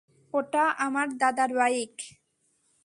ওটা আমার দাদার বাইক।